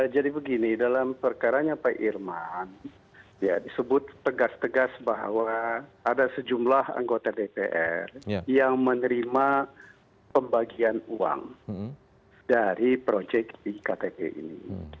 jadi begini dalam perkaranya pak irman disebut tegas tegas bahwa ada sejumlah anggota dpr yang menerima pembagian uang dari proyek di ktp ini